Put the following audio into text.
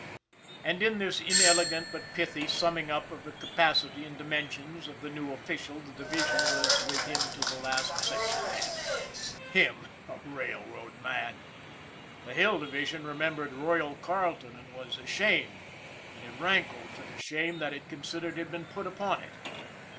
And in this inelegant, but pithy, summing up of the capacity and dimensions of the new official the division was with him to the last section hand. Him a rail road man ! The Hill Division remembered " Royal " Carleton and was ashamed, and it rankled for the shame that it considered had been put upon it.